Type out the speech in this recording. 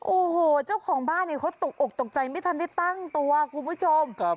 โอ้โหเจ้าของบ้านเขาตกออกตกใจไม่ทำได้ตั้งตัวคุณผู้ชม